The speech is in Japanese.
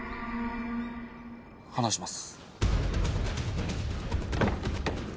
話します。